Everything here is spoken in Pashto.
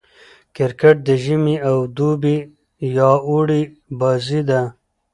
کرکټ د ژمي او دوبي يا اوړي بازي ده.